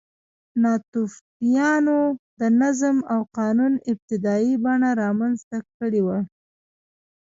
ناتوفیانو د نظم او قانون ابتدايي بڼه رامنځته کړې وه